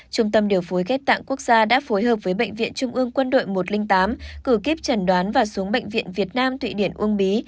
trung tâm điều phối ghép tạng quốc gia đã phối hợp với bệnh viện trung ương quân đội một trăm linh tám cử kiếp chẩn đoán và xuống bệnh viện việt nam thụy điển uông bí